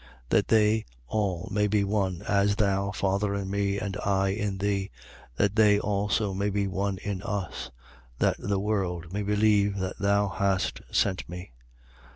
17:21. That they all may be one, as thou, Father, in me, and I in thee; that they also may be one in us: that the world may believe that thou hast sent me.